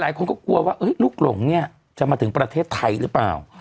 หลายคนก็กลัวว่าลูกหลงเนี่ยจะมาถึงประเทศไทยหรือเปล่า